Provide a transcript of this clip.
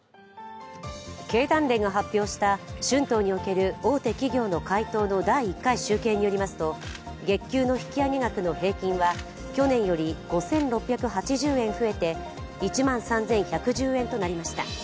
経団連が発表した春闘における大手企業の回答の第１回集計によりますと、月給の引き上げ額の平均は去年より５６８０円増えて１万３１１０円となりました。